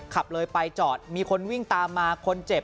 ขับเลยไปจอดมีคนวิ่งตามมาคนเจ็บ